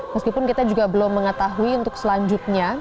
meskipun kita juga belum mengetahui untuk selanjutnya